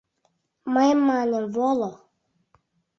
Мый маньым: воло!